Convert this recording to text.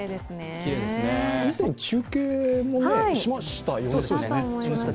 以前、中継もしましたよね。